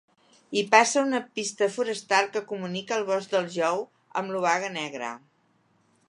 Hi passa una pista forestal que comunica el bosc del Jou amb l'Obaga Negra.